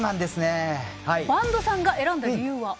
播戸さんが選んだ理由は？